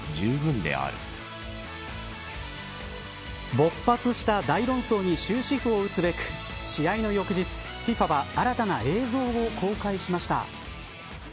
勃発した大論争に終止符を打つべく試合の翌日、ＦＩＦＡは新たな映像を公開しました。